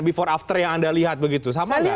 before after yang anda lihat begitu